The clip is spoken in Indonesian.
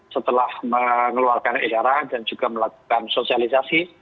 setelah mengeluarkan edaran dan juga melakukan sosialisasi